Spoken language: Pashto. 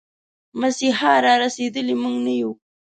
مسيحا را رسېدلی، موږه نه يو